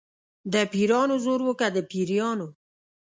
د پیرانو زور و که د پیریانو.